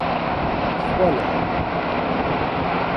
Xvala-i?